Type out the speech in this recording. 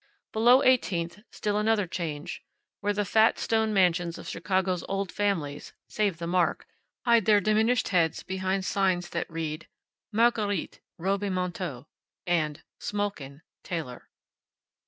Below Eighteenth still another change, where the fat stone mansions of Chicago's old families (save the mark!) hide their diminished heads behind signs that read: "Marguerite. Robes et Manteaux." And, "Smolkin. Tailor."